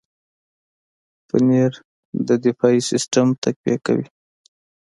پنېر د دفاعي سیستم تقویه کوي.